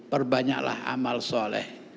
perbanyaklah amal soleh